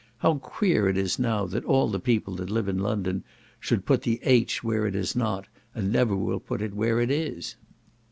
How queer it is now, that all the people that live in London should put the h where it is not, and never will put it where it is."